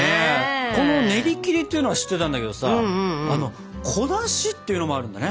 このねりきりっていうのは知ってたんだけどさ「こなし」っていうのもあるんだね。